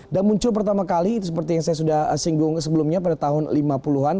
dan muncul pertama kali seperti yang saya sudah singgung sebelumnya pada tahun lima puluh an